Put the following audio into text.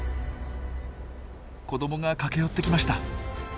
子どもが駆け寄ってきました。